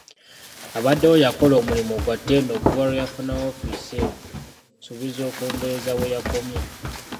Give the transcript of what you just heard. Abaddewo yakola omulimu gwa ttendo okuva lwe yafuna woofiisi eno, nsuubiza okwongereza we yakomye.